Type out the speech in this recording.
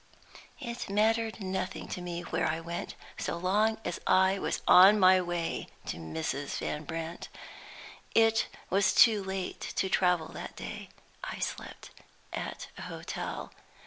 It mattered nothing to me where I went, so long as I was on my way to Mrs. Van Brandt. It was too late to travel that day; I slept at a hotel.